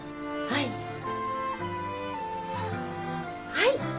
はい！